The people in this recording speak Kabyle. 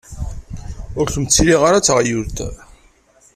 Ur kem-ttili ara d taɣyult!